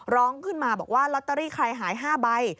ร้องขึ้นมาบอกว่าลอตเตอรี่ใครหาย๕ใบ